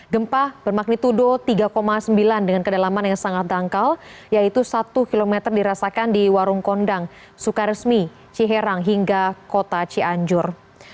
gempa bermagnitudo tiga sembilan dengan kedalaman yang sangat dangkal yaitu satu km dirasakan di warung kondang sukaresmi ciherang hingga kota cianjur